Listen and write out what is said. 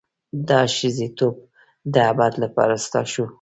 دا ښځتوب د ابد لپاره ستا شو.